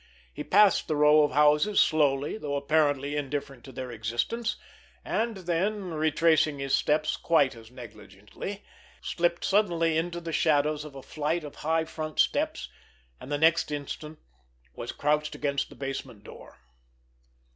He passed the row of houses slowly, though apparently indifferent to their existence, and then, retracing his steps quite as negligently, slipped suddenly into the shadows of a flight of high front steps, and the next instant was crouched against the basement door.